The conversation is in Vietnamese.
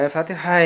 phát thứ hai